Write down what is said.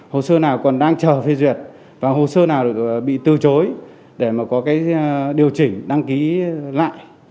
hồ sơ nào còn đang chờ phê duyệt và hồ sơ nào bị từ chối để mà có cái điều chỉnh đăng ký lại